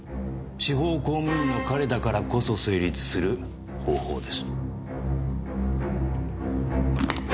地方公務員の彼だからこそ成立する方法です。